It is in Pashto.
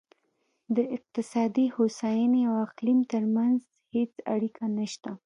د اقتصادي هوساینې او اقلیم ترمنځ هېڅ اړیکه نشته.